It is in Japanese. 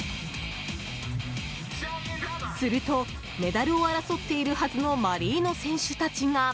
するとメダルを争っているはずのマリーノ選手たちが。